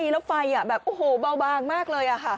แล้วไฟแบบโอ้โหเบาบางมากเลย